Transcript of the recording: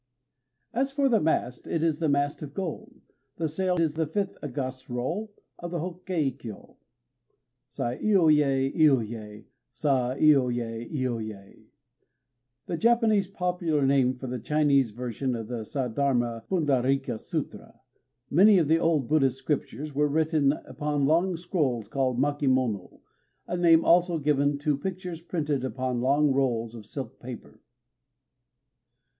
As for the mast, It is a mast of gold; The sail is the fifth august roll Of the Hokkékyô! Sâ iyoë, iyoë! Sâ iyoë, iyoë Japanese popular name for the Chinese version of the Saddhârma Pundarîka Sûtra. Many of the old Buddhist scriptures were written upon long scrolls, called makimono, a name also given to pictures printed upon long rolls of silk or paper.